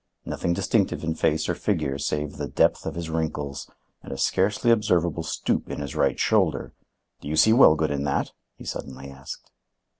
Nothing distinctive in face or figure save the depth of his wrinkles and a scarcely observable stoop in his right shoulder. Do you see Wellgood in that?" he suddenly asked.